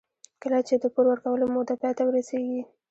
کله چې د پور ورکولو موده پای ته ورسېږي